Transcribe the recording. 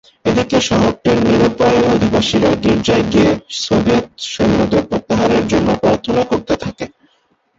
এদিকে শহরটির নিরুপায় অধিবাসীরা গির্জায় গিয়ে সোভিয়েত সৈন্যদের প্রত্যাহারের জন্য প্রার্থনা করতে থাকে।